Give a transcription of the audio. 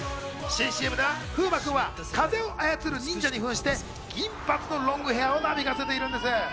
新ＣＭで風磨君は風を操る忍者に扮して、銀髪のロングヘアーをなびかせているんです。